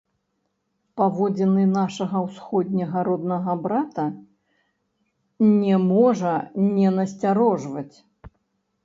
Паводзіны нашага ўсходняга роднага брата не можа не насцярожваць.